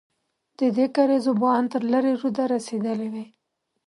ددې کارېز اوبه ان تر لېرې روده رسېدلې وې.